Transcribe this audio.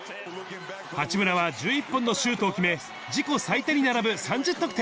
八村は１１本のシュートを決め、自己最多に並ぶ３０得点。